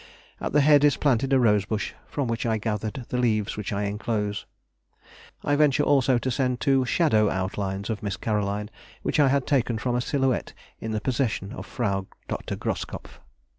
At the head is planted a rose bush, from which I gathered the leaves which I enclose. I venture also to send two 'shadow outlines' of Miss Caroline, which I had taken from a silhouette in the possession of Frau Dr. Groskopf."